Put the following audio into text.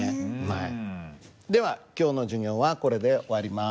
では今日の授業はこれで終わります。